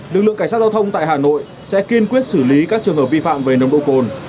lực lượng cảnh sát giao thông tại hà nội sẽ kiên quyết xử lý các trường hợp vi phạm về nồng độ cồn